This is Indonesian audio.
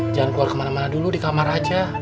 jangan keluar kemana mana dulu di kamar aja